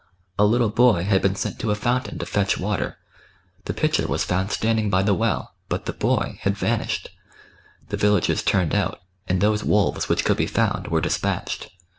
A little boy had been sent to a fountain to fetch water ; the pitcher was found standing by the well, but the hoy had vanished. The villagers turned out, and those wolves which could be found were despatched.